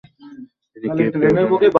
তিনি কেপ টাউনে জন্মগ্রহণ করেছিলেন।